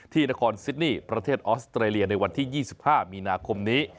นครซิดนี่ประเทศออสเตรเลียในวันที่๒๕มีนาคมนี้